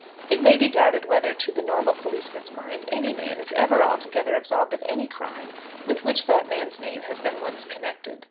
It may be doubted whether, to the normal policeman's mind, any man is ever altogether absolved of any crime with which that man's name has been once connected.